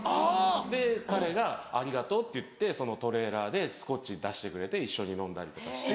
で彼がありがとうって言ってそのトレーラーでスコッチ出してくれて一緒に飲んだりとかして。